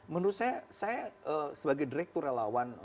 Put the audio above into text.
menurut saya saya sebagai direktur relawan